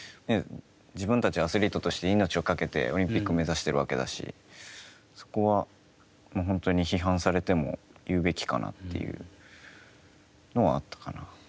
自分たちアスリートとして命を懸けてオリンピックを目指してるわけだし、そこは本当に批判されても言うべきかなというのはあったかな。